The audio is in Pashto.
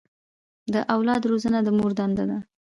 د اولاد روزنه د مور دنده ده.